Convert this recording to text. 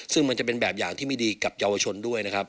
ซึ่งมันจะเป็นแบบอย่างที่ไม่ดีกับเยาวชนด้วยนะครับ